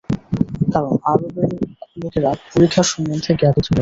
কারণ, আরবের লোকেরা পরিখা সম্বন্ধে জ্ঞাত ছিলেন না।